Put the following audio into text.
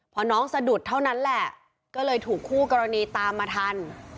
พอน้องสะดุดเท่านั้นแหละก็เลยถูกคู่กรณีตามมาทัน